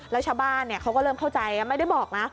แล้วชาวบ้านเขาก็เริ่มเข้าใจไม่ได้บอกนะ